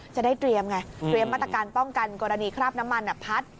จะได้เตรียมไงเตรียมมาตรการป้องกันกรณีคราบน้ำมันพัด